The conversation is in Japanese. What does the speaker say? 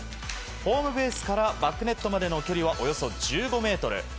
ホームベースからバックネットまでの距離はおよそ１５ｍ。